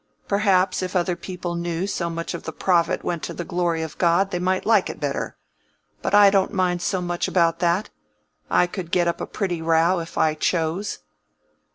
Perhaps if other people knew so much of the profit went to the glory of God, they might like it better. But I don't mind so much about that—I could get up a pretty row, if I chose."